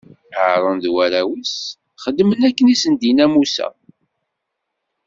Haṛun d warraw-is xedmen akken i sen-d-inna Musa.